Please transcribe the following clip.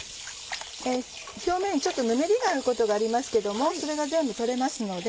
表面ちょっとぬめりがあることがありますけどもそれが全部取れますので。